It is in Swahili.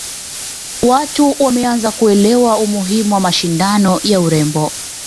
watu wameanza kuelewa umuhimu wa mashindano ya urembo